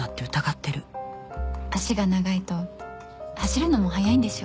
脚が長いと走るのも速いんでしょ？